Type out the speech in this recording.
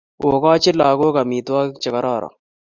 Ogochi lagook amitwogik chegororon